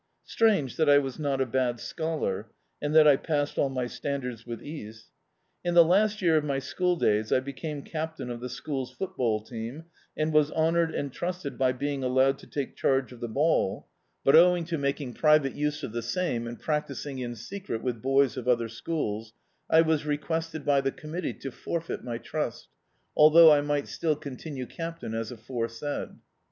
Strange that I was not a bad scholar, and that I passed all my standards with ease. In the last year of my school days I became captain of the school's football team, and was honoured and trusted by being allowed to take charge of the ball, but owing Dn.icdt, Google Childhood to making private use of the same, and practising in secret with Ix^s of other schools, I was requested by the Committee to forfeit my trust, although I might still continue captain as aforesaid.